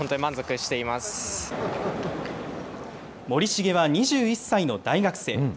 森重は２１歳の大学生。